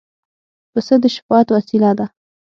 پسه د شفاعت وسیله ده.